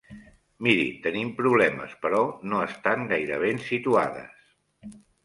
Miri, tenim problemes, però no estan gaire ben situades.